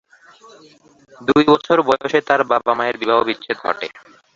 দুই বছর বয়সে তার বাবা-মায়ের বিবাহবিচ্ছেদ ঘটে।